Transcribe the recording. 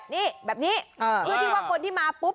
นี่แบบนี้เพื่อที่ว่าคนที่มาปุ๊บ